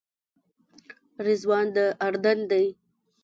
رضوان د اردن دی.